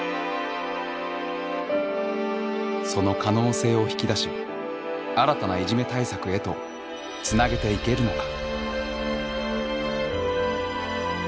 その可能性を引き出し新たないじめ対策へとつなげていけるのか。